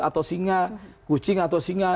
atau singa kucing atau singa